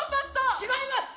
違います！